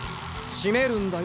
閉めるんだよ